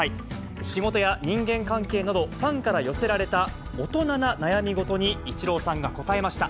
仕事や人間関係など、ファンから寄せられた大人な悩み事にイチローさんが答えました。